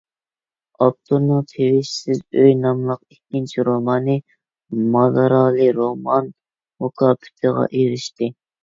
ئاپتورنىڭ «تىۋىشسىز ئۆي» ناملىق ئىككىنچى رومانى «مادارالى رومان مۇكاپاتى»غا ئېرىشتى.